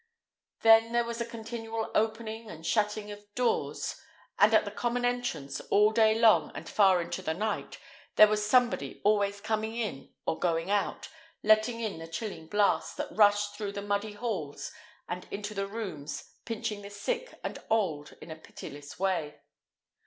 Then there was a continual opening and shutting of doors; and at the common entrance, all day long and far into the night, there was somebody always coming in, or going out, letting in the chilling blast, that rushed through the muddy halls, and into the rooms, pinching the sick and old in a pitiless way.